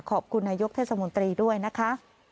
ขอบคุณนายกเทศมนตรีด้วยนะคะ